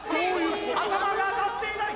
頭が当たっていない！